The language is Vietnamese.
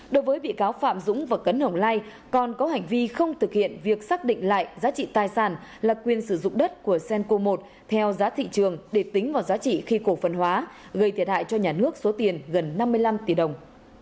đối với bị cáo phạm dũng và cấn hồng lai còn có hành vi không thực hiện việc xác định lại giá trị tài sản là quyền sử dụng đất của cenco một theo giá thị trường để tính vào giá trị khi cổ phần hóa gây thiệt hại cho nhà nước số tiền gần năm mươi năm tỷ đồng